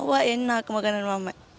wah enak makanan mama